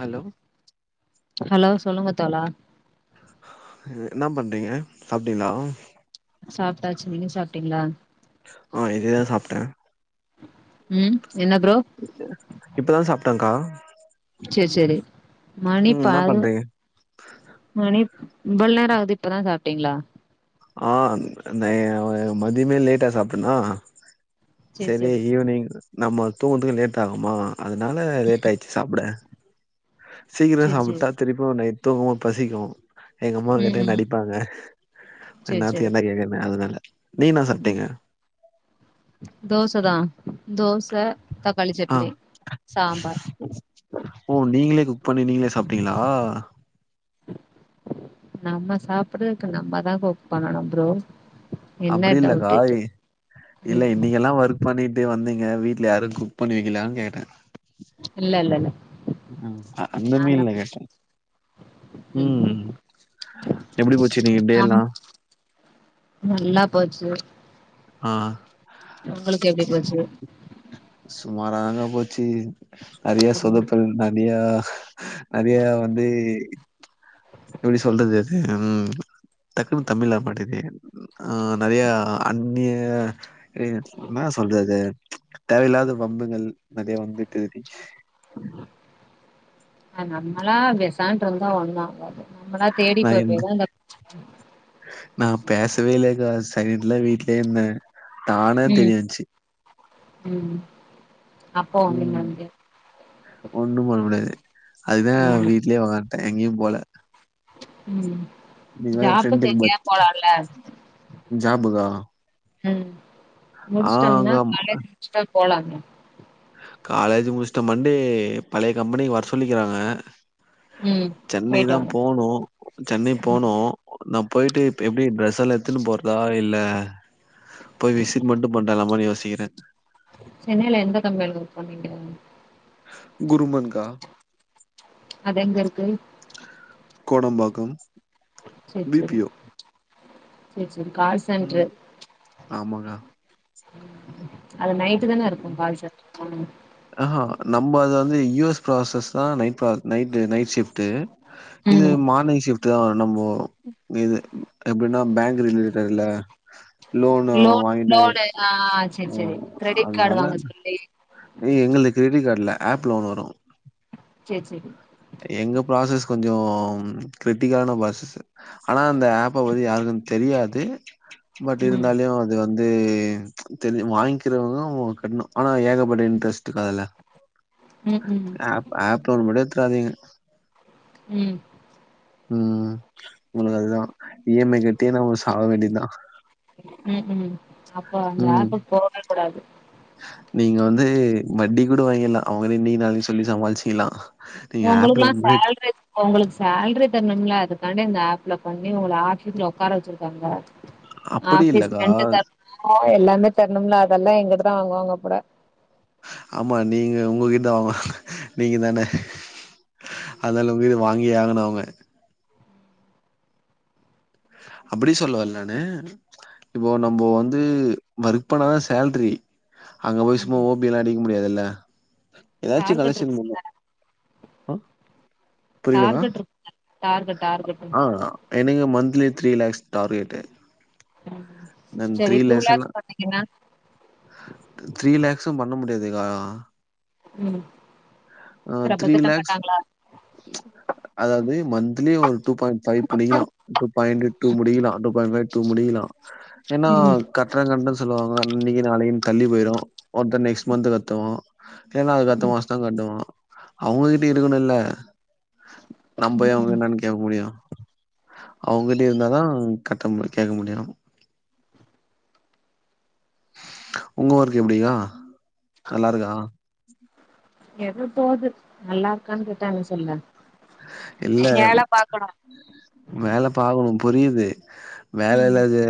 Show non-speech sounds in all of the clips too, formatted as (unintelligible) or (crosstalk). Hello hello சொல்லுங்க தோளா என்ன பண்றீங்க சாப்டிங்களா சாப்பிட்டாச்சு நீங்க சாப்பிட்டீங்களா ஆ இதேதா சாப்பிட்டே உம் என்ன ப்ரோ இப்பதா சாப்பிட்டக்கா செரி செரி மணி ம் என்ன பது பண்றீங்க மணி இவ்வளோ நேரோ ஆகுது இப்பதா சாப்பிட்டீங்களா ஆ ந மதியமே லேட்டா சாப்பிடனா சேரி செரி சேரி ஈவினிங் நம்ம தூங்கறதுக்கு லேட் ஆகுமா அதனால லேட் ஆயிடுச்சு சாப்பிட சீக்கிரோ சேரி சேரி சாப்புட்டா திருப்பியு நைட் தூங்கும் போ பசிக்கு எங்க அம்மா ம் கேட்டா என்ன ம் அடிப்பாங்க சேரி என்னாத்த சேரி என்ன கேக்குறேனு அதனால நீ என்ன ம் சாப்பிட்டீங்க தோச தா தோச தக்காளி ஆ சட்னி சாம்பார் ஓ நீங்களே குக் பண்ணி நீங்களே சாப்பிட்டீங்களா நம்ம சாப்பிடுறதுக்கு நம்மதா குக் பண்ணணும் ப்ரோ என்ன அப்படி இல்ல டவுட் கா இது இ இல்ல ம் இன்னைங்க எல்லா வரு வக் பண்ணிட்டு வந்தீங்க வீட்டுல யாரு குக் பண்ணி வெக்கிலேயான்னு கேட்டே ம்ச் இல்ல இல்ல இல்ல அ அந்த நான்தா மீன்ல கேட்டே ம் உம் எப்படி போச்சு இன்னிக்கு டே ஆமா எல்லா நல்லா போச்சு ஆ உங்குளுக்கு எப்படி போச்சு சுமாராதாங்க போச்சு நெறையா ம் சொதப்பல் நெறையா நறையா வந்து எப்படி சொல்றது அது உம் டக்குன்ன தமிழ்ல வர மாட்டேது ஆ நெறைய அந்நிய என்ன சொல்றது தேவையில்லாத வம்புங்கள் நெறைய வந்துட்டு (unintelligible) ஆ நம்மளா பேசான்ட்டு இருந்தா ஒண்ணு ஆகாது நம்மளா நா தேடிப்போ எந்த போய்தா அந்தப் நா பேசவே இல்லெக்கா சைடுல வீட்லயே இருந்தே தானே ம் தெரியவந்ச்சு ம் அப்போ அங்கெங்க வந்து ஒன்னு பண்ண முடியாது அதுதே ம் வீட்லயே ஒக்காந்ட்டே எங்கெயு போல ம் நீங்க வேற என் ஜாப்புக்கு ஃப்ரெண்டுக்கு எங்கயா பர்த் போலால ஜாபுக்கா ம் ஆ முடுச்ட்டோம்னா அங்க ம் காலேஜ் முட்ச்சுட்டா போலாங்க காலேஜ் முட்ச்ட்ட மண்டே பழைய கம்பெனிக்கு வர சொல்லிக்கிறாங்க ம் சென்னை போய்ட்டு தா வாங்க போனு சென்னை போனு நா பொயிட்டு இப் எப்டி ட்ரஸ் ஸலா எத்துன்னு போறதா இல்ல போய் விசிட் மட்டு பண்றலாமான் யோசிக்கிறே சென்னைல எந்த கம்பெனில ஒர்க் பன்றீங்க குருமன் கா அதெங்க இருக்கு கோடம்பாக்கம் பி பி ஓ செரி செரி கால் சென்ட்ரு ம். ஆமாங்க. அது நைட்டு தான இருக்கு கால் சென்ட்ருலா ஆ நம்ம அது வந்து யு எஸ் ப்ராசஸ் தா நைட் ப்ரா நைட்டு நைட் ஷிஃப்ட்டு இது ம் மார்னெங் ஷிஃப்ட் தா வரு நம்பொ இது எப்டின்னா பேங்க் ரிலேட்டட்ல்ல லோன் லோனு ஆ செரி செரி கிரெடிட் காடு வாங்க சொல்லி நீ் எங்களுக் கிரெடிட் காடு இல்ல ஆப்ல ஒன்னு வரு சேர் சேரி எங்க ப்ராசஸ் கொஞ்சொ கிரிட்டிக்கலான ப்ராசஸ்ஸு ஆனா அந்த ஆப்ப பத்தி யாருக்கு தெரியாது பட் ம் இருந்தால்யோ இது வந்து தெரி வாங்கிக்கிறவங்களு கட்ணு ஆனா ஏகப்பட்ட இன்ட்ரெஸ்ட் கா இதுல ம் ம் ஆப் லோன் மட்டு எத்துடாதீங்க ம் ம் உங்களுக்கு அதுதா இ எம் ஐ கட்டியே நாமொ சாக வேண்டியத்தா ம் ம் அப்போ அந்த ம் ஆப்புக்கு போகவே கூடாது நீங்க வந்து வட்டி கூட வாங்கிலா அவுங்கள இன்னகி நாளைகி சொல்லி சமாளுச்சுக்கலா ஒங்களுக்குலா சேல்ரி ஒங்களுக்கு சேல்ரி தரணும்ல அதுக்காண்ட இந்த ஆப்ல பண்ணி உங்கள ஆட்சியத்துல உக்கார வச்சுருக்காங்க அப்படி ஆஃபிஸ் இல்லக்கா ரென்ட் தரணும்ல எல்லாமே தரணும்ல அதல்லா எங்கட்டதா வாங்குவாங்க பொல ஆமா நீங்க உங்ககிட்ட ஆமா நீங்க தானே அத நம்பி வாங்கி ஆகனு அவுங்க அப்டி சொல்ல வல்லனு இப்போ நம்போ வந்து வொர்க் பண்ணாதா சேல்ரி அங்க போய் சும்மா ம் ஓபி எல்லா அடிக்க முடியாதுல்ல எதாச்சு டார்கெட் கலெஷன் இருக்கு பண்ணுவோ அ புரியுதுங்கா டார்கெட் இருக்கு டார்கெட் டார்கெட்டு எனக்கு மன்த்லி த்ரீ லேக்ஸ் டார்கெட்டு செரி டூ லேக்ஸ் பண்ணிங்கன்னா த்ரீ லேக்ஸு பண்ண முடியாதுக்கா ம் அ ரொம்ப த்ரீ திட்ட லேக்ஸ் மாட்டாங்களா அதாவது மன்த்லி ஒரு டூ பாயிண்ட் ஃபைவ் புடிக்கலா டு பாய்ன்ட் டூ முடிகலா டூ பாய்ட் ஃபை டு முடிக்கலா ஏன்னா ம் கட்ற கட்றன் சொல்லுவாங்க இன்னைக்கு நாளகினு தள்ளி போய்ரு ஒருத்த நெக்ஸ்ட் மன்த் கத்துவா இல்லனா அதுக்கத்த மாசந்தா கட்டுவா அவங்ககிட்டயு இருக்கணுல நம்போய் அவங்கள ம் என்னானு கேக்க முடியு அவங்கிட்டயு இருந்தாதா கட்ட மு கேக்க முடியு நம்ம ஒங்க ஒர்க்கு எப்டிக்கா நல்லாருக்கா எதோ போது நல்லாருக்கான் கேட்டா என்ன சொல்ல இல்ல வேல பாக்கணு வேல பாக்கணு புரியுது வேலல ம் அது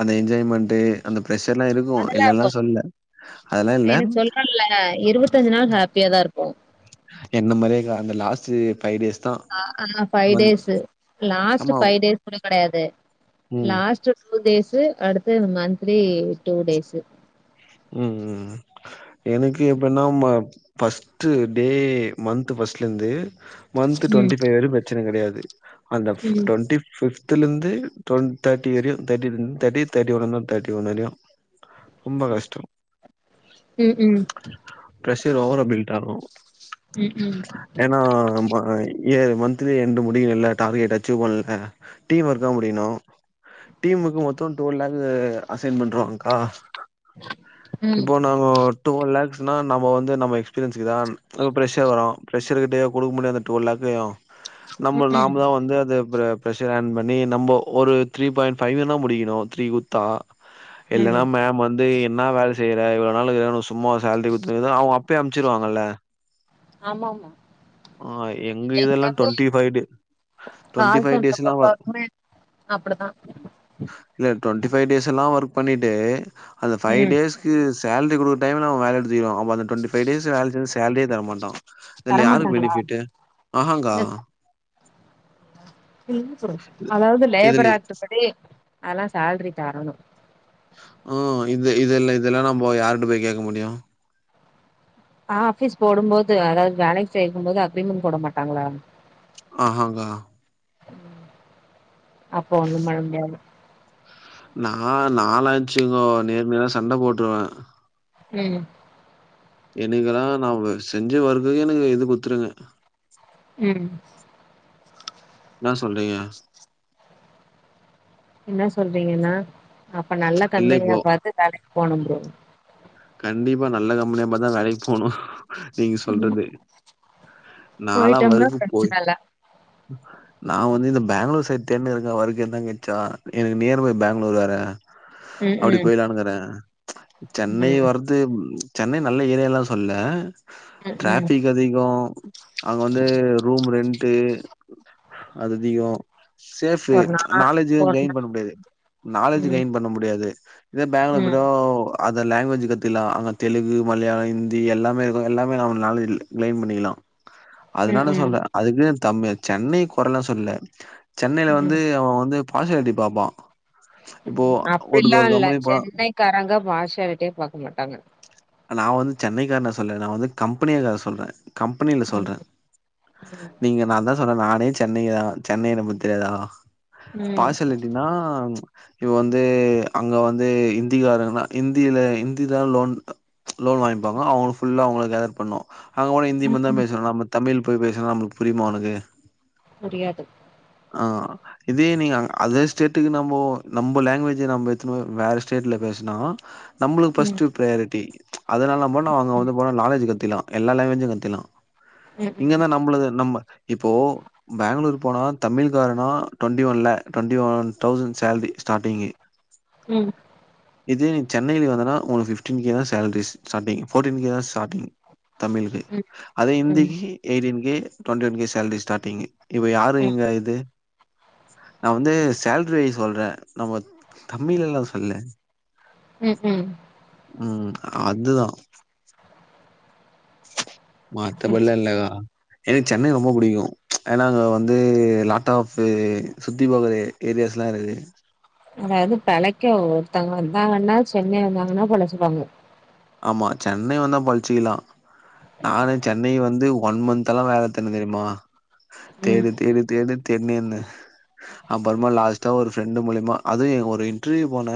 அந்த என்ஜாய்மெண்ட்டு அந்த பிரஷர்லா இருக்கு அதெல்லா இருக்கு இல்லேன்லா சொல்ல அதெல்லா இல்ல எனக்கு சொல்றேன்ல இருவத்தஞ்சு நாள் ஹேப்பியாதா இருப்போ என்ன மாரியேக்கா அந்த லாஸ்ட் ஃபை டேஸ் தா ஆ ஆ ஃபைவ் மந் டேஸு லாஸ்ட் ஆமா ஃபை டேஸ் கூட கெடையாது ம் லாஸ்ட் டூ டேஸு அடுத்து மன்த்லி டூ டேஸு ம் ம் ம் எனக்கு எப்டினா ம ஃபஸ்ட்டு டே மன்த் ஃபஸ்ட்லந்து மன்த் ம் டுவெண்டி ஃபைவ் வரையு பிரச்சன கெடையாது அந்த ம் டொன்ட்டி ஃபிஃப்துலந்து டுவெண் தேர்ட்டி வரையு தேர்ட்டி தேர்டி தேட்டி ஒன் இருந்த தேர்டி ஒன் வரையு ரொம்ப கஷ் ம் ம் பிரஷர் ஓவரா பில்ட் ஆகு ம் ம் ஏன்னா ஏ மன்த்லி என்டு முடியுதுல்ல டார்கெட் அச்சீவ் பண்ல டீம் ஒர்க்கா முடியணு டீம் ஒர்க்கு மொத்தோ டுவல் லேக்கு அசைன் பண்றாங்க்கா ம் இப்போ நாங்க டுவல் லேக்ஸ்னா நம்ம வந்து நம்ம எஸ்பீரியன்ஸுக்குதா அப்ப பிரஷர் வரு பிரஷர்கிட்டயா குடுக்க முடியு அந்த டுவல் லேக்கயு நம்மள் ம் நாமதா வந்து அது பிர ப்ரஷர் ஆன் பண்ணி நம்ம ஒரு த்ரீ பாயிண்ட் ஃபைவ்னா முடிக்கணு த்ரீ குத்தா ம் இல்லனா ம் மேம் வந்து எ என்னா வேல செய்ற இவ்ள நாளுக்ற உனக்கு சும்மாவா சேலரி குடுத்துனுருக்து அவங்க அப்பயே அம்ச்சிருவாங்கல்ல ஆமாமா ஆ எங்க இதெல்லா twenty five day twenty call five centre டேஸ்லா பொறுத்த வ வரைக்குமே அப்டிதா இல்ல டுவெண்ட்டி ஃபை டேஸ் எல்லா ஒர்க் பண்ணிட்டு அந்த ஃபைவ் ம் டேஸ் சேல்ரி குடுக்குற டைம்ல அவ வேலய விட்டு தூக்கிருவா அப்ப அந்த டுவெண்டி ஃபை டேஸு வேல செஞ்ச சேலரியே தர மாட்டா இதுல யாருக்கு தரமாட்டாங்களா பெனிஃபிட்டு ஆஹங்கா அதாவது லேபர் இதுலே ஆக்ட்படி அதெல்லா சேல்ரி தரணு ம் இது இதெல் இதெல்லா நம்போ யார்ட போய் கேக்க முடியு ஆஃபிஸ் போடும்போது அதாவது வேலைக்கு சேக்கும்போது அக்ரிமெண்ட் போட மாட்டாங்ளா ஆஹாங்கா அப்போ ஒண்ணு பண்ண முடியாது நா நாலா வெச்சுக்கோ நேர்க்கு நேரா சண்ட போட்ருவ ம் எனக்கெலா நா செஞ்ச ஒர்க்குக்கு எனக்கு இது குத்துருங்க ம் என்னா சொல்றீங்க என்னா சொல்றீங்கன்னா அப்ப நல்ல இல்ல கம்பெனியா இப்போ பாத்து வேலைக் போனு ப்ரோ கண்டிப்பா நல்ல கம்பெனியா பாத்துதா வேலைக் போணு நீங் சொல்றது நாலா போயிட்டோம்னா ஒர்க்கு போய் பிரச்சன இல்ல நா வந்து இந்த பெங்களூர் சைடு தேடினு இருக்க ஒர்க் எதனா கெடச்சா எனக்கு நியர்பை பெங்களூர் வேற ம் அப்டி ம் போயிட்லானுயிருக்க சென்னை ம் வரது ம் சென்னை நல்ல ஏரியால்லா சொல்லல ம் ம் டிராபிக் அதிகோ அங்க வந்து ரூம் ரென்டு அதிகோ சேஃபு ஒரு நா நாலேஜு ஒரு கெயின் நா பண்ண முடியாது நாலேஜ் ம் கெயின் பண்ண முடியாது இதே பெங்களூர் ம் போயிட்டா இந்த லாங்குவேஜு கத்துக்லா அங்க தெலுகு மலயாளோ ஹிந்தி எல்லாமே இருக்கு எல்லாமே நம்ம நாலேஜ் கெயின் பண்ணிக்லா (inaudible) ம் அதனால ம் சொல்றே அதுக்குனு தமி சென்னை கொரலா சொல்லல சென்னையில வந்து ம் அவ வந்து ஃபாஷியாலிட்டி பாப்பா இப்போ ம் ஒரு அப்டில்லா ஒரு இல்ல கம்பெனி போனா சென்னை காரங்க ஃபாஷிலிட்டேயே பாக்க மாட்டாங்க நா வந்து சென்னைக்காரன சொல்லல நா வந்து கம்பெனியக்கார சொல்ற கம்பெனியில ம் சொல்ற நீங்க நா தா சொன்ன நானே சென்னை தா சென்னைய பத்தி தெரியாதா ம் ம் ஃபாஷிலிட்டினா இப்ப வந்து அங்க வந்து இந்திக்காரன்னா இந்தி இந்தில இந்தி தா லோன் லோன் வாங்கிப்பாங்க அவுங்க ஃபுல்லா அவுங்கள கேதர் பண்ணு அங்க போனா ஹிந்தி ம். மட்டுதா பேசுவாங்க நம்ம தமிழ் போய் பேசுனா நம்மளுக்கு புரிமா அவுனுக்கு புரியாது ஆ இதே நீங்க அதர் ஸ்டேட்டுக்கு நம்மோ நம்ப லாங்குவேஜ நம்ப எத்துனு வேற ஸ்டேட்ல பேஸ்னா நம்ளுக்கு ம் ஃபர்ஸ்ட் ப்ரையாரிட்டி அதனாலா நம்ம அங்க வந்து போன நாலேஜ் கத்துக்லா எல்லா லாங்குவேஜு கத்துக்லா ம் ம் இங்கனா நம்மளுது நம்ம இப்போ பெங்ளூர் போனா தமிழ் காரனா டொண்டி ஒன் ல டொண்ட்டி ஒன் தௌசண்ட் சேல்ரி ஸ்டார்ட்டிங்கி ம் இதே நீ சென்னைக்ல வந்தானா ஒனக்கு ஃபிப்டின் கே தா சேல்ரி சசாட்டிங் ஃபோர்டின் கே தா ஸ்டாட்டிங் தமிழுக்கு ம் அதே ஹிந்திக்கு eighteen K twenty one K salary starting இப்ப யாரு ம் இங்க இது நா வந்து சேல்ரி அ சொல்ற நம்ம தமிழ் எல்லா சொல்லல்ல ம் ம் ம் அதுதா சேரி மத்தபடிலா சேரி இல்லகா எனக்கு சென்னை ரொம்ப புடிக்கு ஏன்னா அங்க வந்து லாட்டாஃபு சுத்தி பாக்க ஏரியாஸ்லா இருக்கு அதாது பெழைக்க ஒருத்தவங்க வந்தாங்கன்னா சென்னை வந்தாங்கன்னா பொழச்சுப்பாங்க ஆமா சென்னை வந்தா பொழச்சிக்கிலா நானு சென்னை வந்து ஒன் மந்த் தலவேலத்தேன்னங் தெரியுமா ம் தேடு தேடு தேடு தேடினேர்ந்தே அப்றமா லாஸ்ட்டா ஒரு ஃப்ரெண்டு் மூலமா அதுவு ஒரு இன்டிர்யூ போன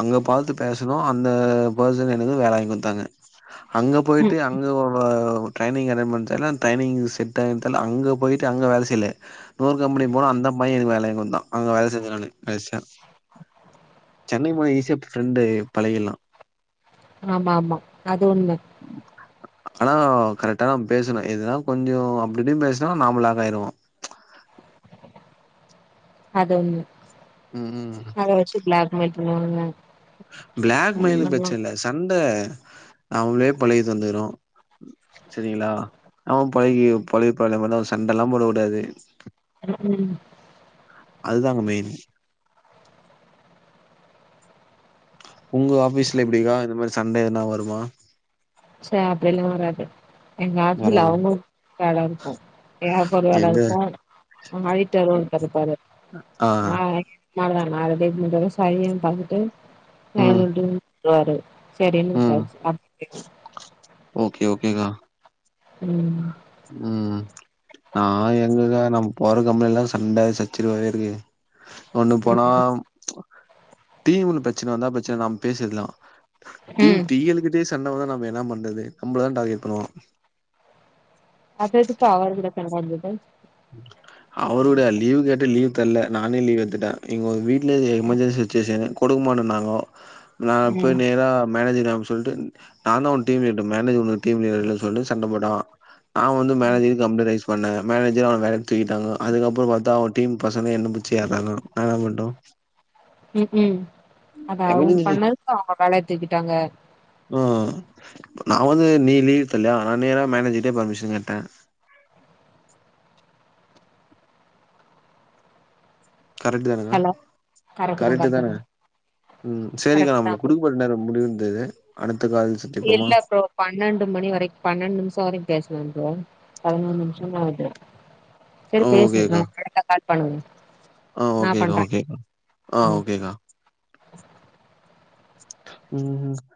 அங்க பாத்து பேசணோ அந்த பர்சன இது வேலைக்கு வாந்கதாங்க அங்க போயிட்டு ம் அங்க ஒ வ ட்ரைனிங் அட்டண்ட் பண்ணிட்டாலு ட்ரைனி்ங் செட் ஆய்ட்டாலு அங்க போயிட்டு வேல செய்ல இந்நொறு கம்பெனி போன அந்த பைய எதுக்கு வேலகி வந்தா அங்க வேல செஞ்சோ நானு கடைசியா சென்னைக்கு போன ஈசியா ஃப்ரெண்டு பழகில்லா ஆமாம்மாம்மா அது உண்ம ஆனா கரெக்டாதா பேசணு எதுனா கொஞ்சோ அப்டிப்டின்னு பேசுனா நாம லாக்காய்ருவோ அதொன்னு ம் ப்ளாக் மெயில் பண்ணி (unintelligible) பிளாக் மெயிலு ப்ரச்சன இல்ல சண்ட அவளே பழையி தந்துரு செரிங்களா அவே பழகி பழைய பழம எல்லா சண்ட எல்லாம் போடகுடாது உம் உம் அதுதாங்க மெயின் உங்க ஆஃபீஸ்ல எப்டிக்கா இந்த மாரி சண்டே எதுனா வருமா ச அப்படில்லாம் வராது எங்க ஆட்டில வராதுங்க அவுங்களு வேலை இருக்கும் (unintelligible) க்கு ஒரு எங்க வேவருக்கும் ஆய்ட்டாரோ தருப்பரு ஆ அது பார்வ ம்ம ஆ நாலுதா நாலு டேபிள் சரிய்னு பாத்துட்டு ம் நல்லா தூங்கி ருவாரு செரினு ம். விட்டாச் அப் ஓகே ஓகேக்கா உம் உம் நா எங்கக்கா நம்ம போற கம்பளி எல்லாம் சண்ட சச்சரவு வாவே இருக்கு ஒண்ணு போனா ம் டீவ்ன்ல ப்ரச்சன வந்தா ப்ரச்சன இல்ல நாம பேசிர்லா டீம் ம் டீயல்கிட்டே சண்ட வர்றதுன்னா நாம என்னா பண்றது நம்பளதா டார்கெட் பண்ணுவா அத எதுக்கு அவர் கூட சண்ட வந்தது ம் அவருடையா லீவ் கேட்டு லீவ் தர்ல்ல நானே லீவ் எத்துட்டே இங்க ஒர் வீட்டுலயே எமெர்ஜென்ஸி சிச்சுவேஷன் கொடுக்கமாட்டேனாங்கோ நா போய் ம் நேரா மேனேஜர் அம் சொல்ட்டு நானு டீம் லீடரு மேனேஜர் உ டீம் லீடர சொல்லி சண்டப் போட்டோ நா வந்து மேனேஜரு நம்பரைஸ் பண்ணாங்க மேனேஜ் தே அவளே வேலைலந்து தூக்கிட்டாங்கோ அதுக்கப்றம் பாத்தா அவே டீம் பசங்க என்ன பிச்சியறாங்க நா எனா பண்ணுட்டு உம் உம் அத அவங்க எமர்ஜென்சி சுச் பண்ணதுக்கு அவுங்க வேலைய தூக்கிட்டாங்க மா நா வந்து நீ லீவ் தர்ல்லையா நானேதா மேனேஜர்கிட்டே பர்மிஷன் கேட்டே கரெக்ட் தானேங்கா ஹலோ கரெக்ட் தானே உம் சேரிக்கா கரெக்ட் தா நம்மளுக்கு குடுக்கப்பட்ட நேரோ முடிந்தது அடுத்த கால்ஸ் இல்ல ப்ரோ பன்னெண்டு மணி வரை பன்னெண்டு நிமிஷோ வரையு பேசலா ப்ரோ பதுனோர் நிமிஷோ ஆகுது செரி பேசுங்க ஓகேக்கா அடுத்த கால் பண்ணுங்க ஆ நா ஓகேக்கா பண்றே ஓகே ஆ ம் ஓகேக்கா ம்